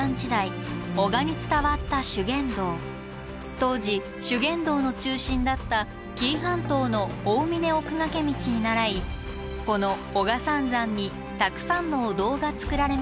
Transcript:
当時修験道の中心だった紀伊半島の「大峯奥駈道」にならいこの男鹿三山にたくさんのお堂が作られました。